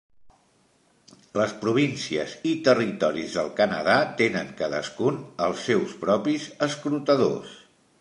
Les províncies i territoris del Canadà tenen cadascun els seus propis escrutadors.